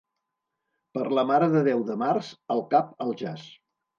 Per la Mare de Déu de març, el cap al jaç.